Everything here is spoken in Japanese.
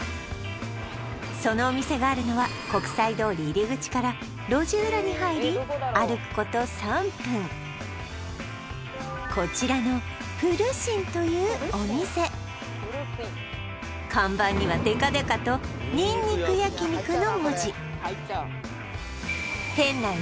そのお店があるのは国際通り入口から路地裏に入り歩くこと３分こちらのプルシンというお店看板にはデカデカとにんにく焼肉の文字